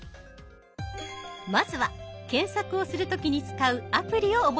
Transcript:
まずは検索をする時に使うアプリを覚えましょう。